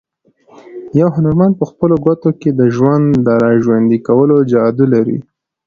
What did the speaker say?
یو هنرمند په خپلو ګوتو کې د ژوند د راژوندي کولو جادو لري.